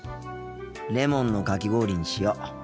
レモンのかき氷にしよう。